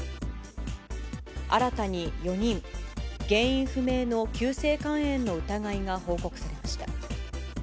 新たに４人、原因不明の急性肝炎の疑いが報告されました。